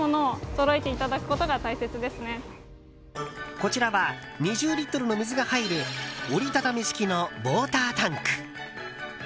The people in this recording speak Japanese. こちらは２０リットルの水が入る折り畳み式のウォータータンク。